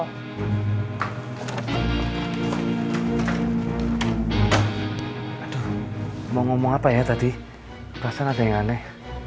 mau ngomong apa ya tadi perasaan ada yang aneh